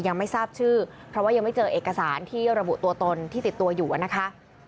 ยังไม่ทราบชื่อเพราะว่ายังไม่เจอเอกสารที่ระบุตัวตนที่ติดตัวอยู่นะคะ